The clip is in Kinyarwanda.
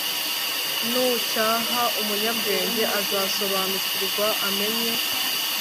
nucyaha umunyabwenge, azasobanukirwa amenye